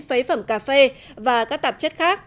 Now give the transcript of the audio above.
phế phẩm cà phê và các tạp chất khác